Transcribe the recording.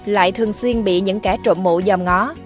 lại thường xuyên bị những kẻ trộm mộ dòm ngó